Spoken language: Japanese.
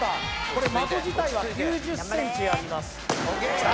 これ的自体は９０ｃｍありますきた！